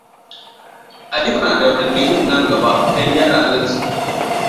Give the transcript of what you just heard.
Aliko na da watanni uku nan gaba na gyara halin sa.